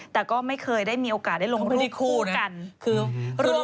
แต่ก็ไม่เคยได้มีโอกาสได้ลงรูปคู่กัน